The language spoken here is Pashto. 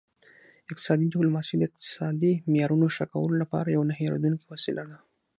اقتصادي ډیپلوماسي د اقتصادي معیارونو ښه کولو لپاره یوه نه هیریدونکې وسیله ده